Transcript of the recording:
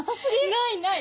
ないない